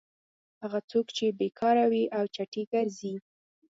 هغه څوک چې بېکاره وي او چټي ګرځي.